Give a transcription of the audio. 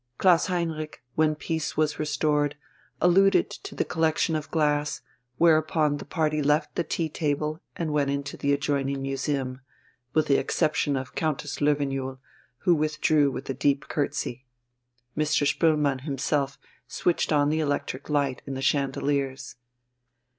Klaus Heinrich, when peace was restored, alluded to the collection of glass, whereupon the party left the tea table and went into the adjoining museum, with the exception of Countess Löwenjoul, who withdrew with a deep curtsey. Mr. Spoelmann himself switched on the electric light in the chandeliers.